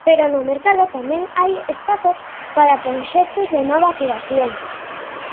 Pero no mercado tamén hai espazo para proxectos de nova creación.